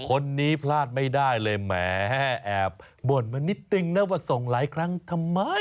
คนนี้พลาดไม่ได้เลยแหมแอบบ่นมานิดนึงนะว่าส่งหลายครั้งทำไม